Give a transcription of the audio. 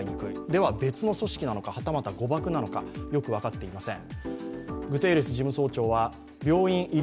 では、別の組織なのか、はたまた誤爆なのか、よく分かっていません。